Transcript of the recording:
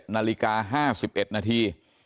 นาฬิกา๕๑นาที